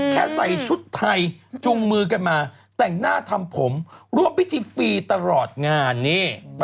ใส่ชุดไทยจุงมือกันมาแต่งหน้าทำผมร่วมพิธีฟรีตลอดงานนี่